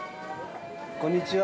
こんにちは。